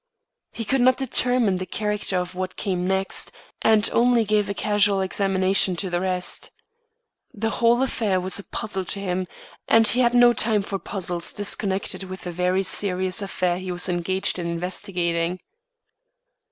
He could not determine the character of what came next, and only gave a casual examination to the rest. The whole affair was a puzzle to him, and he had no time for puzzles disconnected with the very serious affair he was engaged in investigating.